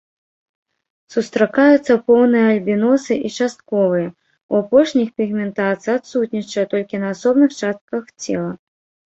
Сустракаюцца поўныя альбіносы і частковыя, у апошніх пігментацыя адсутнічае толькі на асобных частках цела.